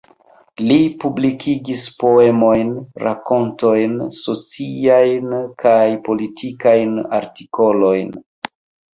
Li publikigis poemojn, rakontojn, sociajn kaj politikajn artikolojn.